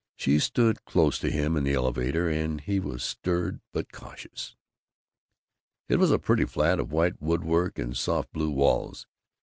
She stood close to him in the elevator, and he was stirred but cautious. It was a pretty flat, of white woodwork and soft blue walls.